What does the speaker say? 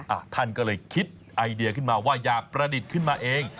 อ่ะท่านก็เลยคิดไอเดียขึ้นมาว่าอยากประดิษฐ์ขึ้นมาเอง